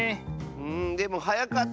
うんでもはやかった。